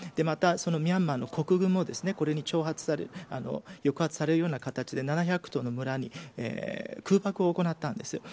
またミャンマーの国軍もこれに触発されるような形で７００棟の村に空爆を行ったんです。